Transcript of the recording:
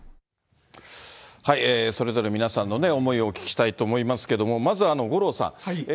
それぞれ皆さんの思いをお聞きしたいと思いますけども、まずは五郎さん。